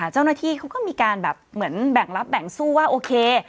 เจ้าหน้าที่เขาก็มีการแบบเหมือนแบ่งรับแบ่งสู้ว่าโอเค